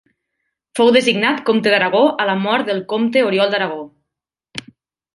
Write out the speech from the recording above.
Fou designat comte d'Aragó a la mort del comte Oriol d'Aragó.